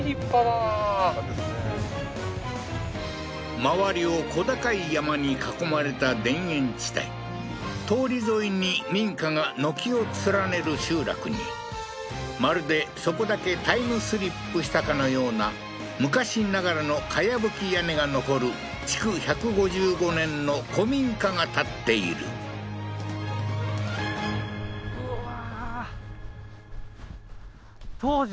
周りを小高い山に囲まれた田園地帯通り沿いに民家が軒を連ねる集落にまるでそこだけタイムスリップしたかのような昔ながらの茅葺き屋根が残る築１５５年の古民家が建っているあっ